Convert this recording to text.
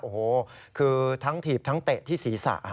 โอ้โหคือทั้งถีบทั้งเตะที่ศีรษะ